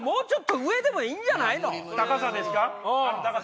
高さですか？